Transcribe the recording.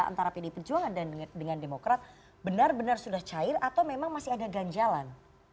antara pdi perjuangan dengan demokrat benar benar sudah cair atau memang masih ada ganjalan